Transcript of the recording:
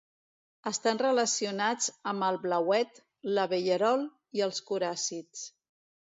Estan relacionats amb el blauet, l'abellerol i els coràcids.